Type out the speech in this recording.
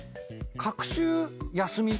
隔週休み。